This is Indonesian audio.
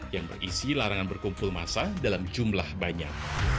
yang berisi larangan berkumpul masa dalam jumlah banyak